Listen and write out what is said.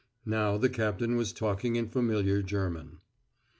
Now the captain was talking in familiar German.